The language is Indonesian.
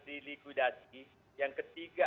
diligudasi yang ketiga